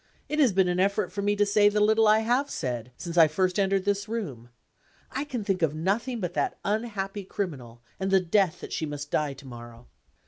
It has been an effort to me to say the little I have said, since I first entered this room. I can think of nothing but that unhappy criminal, and the death that she must die to morrow."